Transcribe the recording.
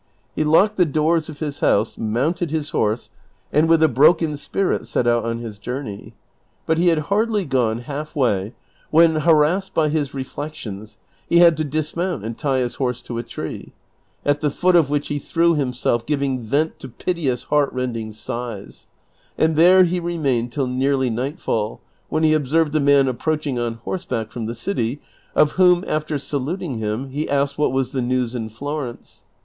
He locked the doors of his house, mounted his horse, and with a broken spirit set out on his journey ; Vol. I. — 20 306 DON QUIXOTE. but he had hardly gone half way when, harassed by his reflections, he had to dismount and tie his horse to a tree, at the foot of whicli he threw himself, giving vent to piteous heart rending sighs ; and there he remained till nearly nightfall, when he observed a man ap proaching on horseback from the city, of whom, after saluting him, he asked what was the news in Florence.